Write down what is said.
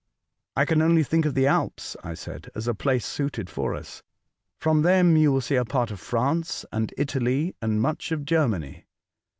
" I can only think of the Alps," I said, " as a place suited for us. From them you will see a part of France and Italy and much of Germany.